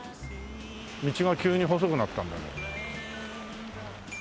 道が急に細くなったんだ。